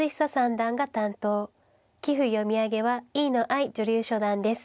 棋譜読み上げは飯野愛女流初段です。